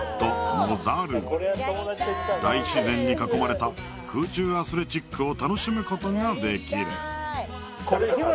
大自然に囲まれた空中アスレチックを楽しむことができる